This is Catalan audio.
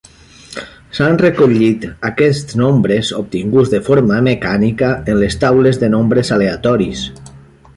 S'han recollit aquests nombres obtinguts de forma mecànica en les taules de nombres aleatoris.